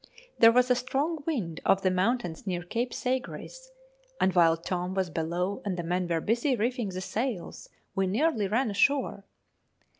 There was a strong wind off the mountains near Cape Sagres, and while Tom was below and the men were busy reefing the sails, we nearly ran ashore.